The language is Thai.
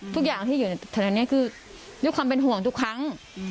ทุกอย่างที่อยู่ในฐานะนี้คือยกความเป็นห่วงทุกครั้ง